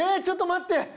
ちょっと待って！